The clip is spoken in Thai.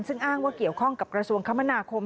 ซึ่งอ้างว่าเกี่ยวข้องกับกระทรวงคมนาคม